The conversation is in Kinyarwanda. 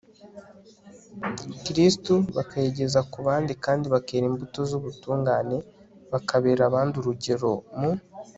kristu bakayigeza ku bandi kandi bakera imbuto z'ubutungane, bakabera abandi urugero mu